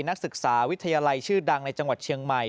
นักศึกษาวิทยาลัยชื่อดังในจังหวัดเชียงใหม่